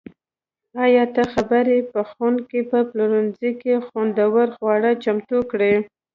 ایا ته خبر یې؟ پخونکي په پخلنځي کې خوندور خواړه چمتو کړي.